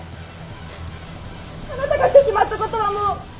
あなたがしてしまったことはもう変えられない。